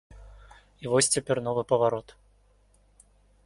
І вось цяпер новы паварот.